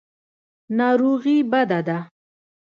ناروغي بده ده.